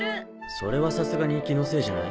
それはさすがに気のせいじゃない？